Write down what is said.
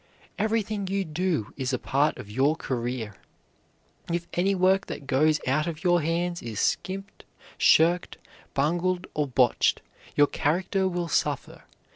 Everything you do is a part of your career. If any work that goes out of your hands is skimped, shirked, bungled, or botched, your character will suffer.